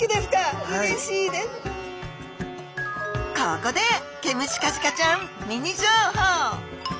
ここでケムシカジカちゃんミニ情報！